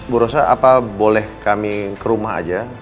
bu rosa apa boleh kami ke rumah aja